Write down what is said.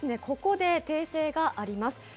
ここで訂正があります。